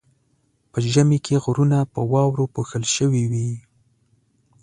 په ژمي کې غرونه په واورو پوښل شوي وي.